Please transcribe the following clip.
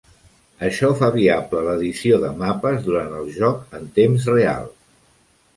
Això fa viable l'edició de mapes durant el joc en temps real.